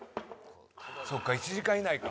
「そっか１時間以内か」